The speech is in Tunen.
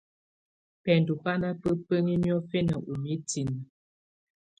Bɛndɔ̀ bà nà baa bǝni niɔ̀fɛna ù mitini.